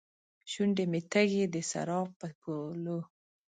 شونډې مې تږې ، دسراب په پولو